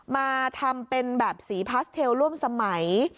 มาทำเป็นแบบสีพาสเทลร่วมสมัย